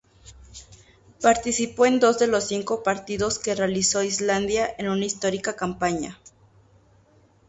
Participó en dos de los cinco partidos que realizó Islandia en una histórica campaña.